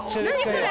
これ。